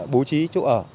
bố trí chỗ ở